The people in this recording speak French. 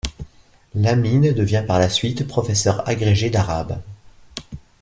Lamine devient par la suite professeur agrégé d'arabe.